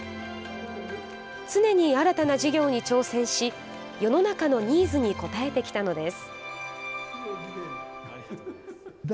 常に新たな事業に挑戦し世の中のニーズに応えてきたのです。